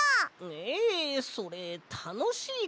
えそれたのしいかな。